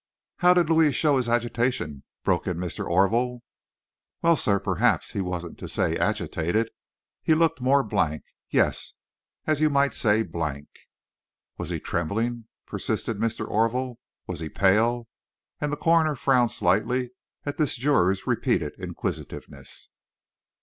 "How did Louis show his agitation?" broke in Mr. Orville. "Well, sir, perhaps he wasn't to say agitated, he looked more blank, yes, as you might say, blank." "Was he trembling?" persisted Mr. Orville, "was he pale?" and the coroner frowned slightly at this juror's repeated inquisitiveness.